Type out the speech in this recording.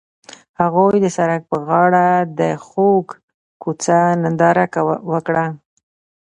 هغوی د سړک پر غاړه د خوږ کوڅه ننداره وکړه.